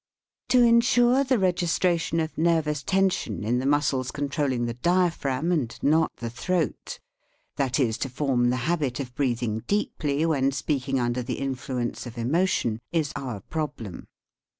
To insure the registration of nervous ten sion in the muscles controlling the diaphragm and not the throat that is, to form the habit of breathing deeply when speaking under the influence of emotion, is our problem.